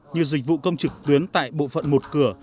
như dịch vụ công trực tuyến tại bộ phận một cửa